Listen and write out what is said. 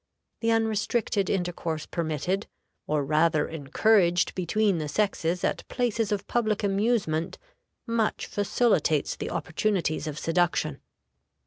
The unrestricted intercourse permitted, or rather encouraged between the sexes at places of public amusement much facilitates the opportunities of seduction.